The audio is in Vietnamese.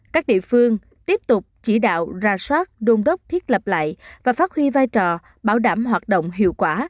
các địa phương tiếp tục chỉ đạo ra soát đôn đốc thiết lập lại và phát huy vai trò bảo đảm hoạt động hiệu quả